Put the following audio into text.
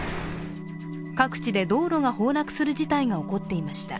各地で道路が崩落する事態が起こっていました。